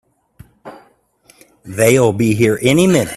They'll be here any minute!